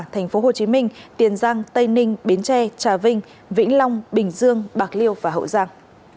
tp hcm tiền giang tây ninh biến tre trà vinh vĩnh long bình dương bạc liêu và hậu giang